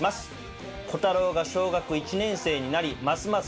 コタローが小学１年生になりますます